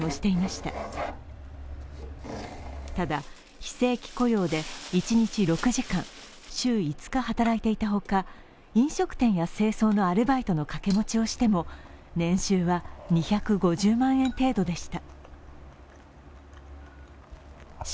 ただ、非正規雇用で一日６時間、週５日働いていたほか飲食店や清掃のアルバイトの掛け持ちをしても年収は２５０万円程度でした。